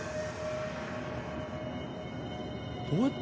どうやって？